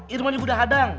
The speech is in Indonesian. irmahnya gue udah hadang